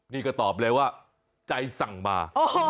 นี่ก็ตอบเลยว่าใจสั่งมา